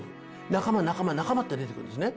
仲間、仲間、仲間って出てくるんですね。